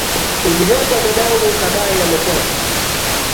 Ulihepa dadangu ukadai amechapa.